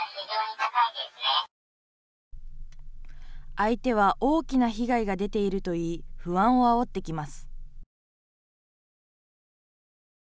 相手は大きな被害が出ていると言い、不安をあおってきます。